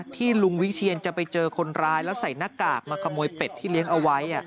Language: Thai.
ที่ลุงวิเชียนจะไปเจอคนร้ายแล้วใส่หน้ากากมาขโมยเป็ดที่เลี้ยงเอาไว้